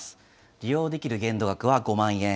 利用できる限度額は５万円。